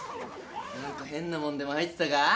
何か変なもんでも入ってたか。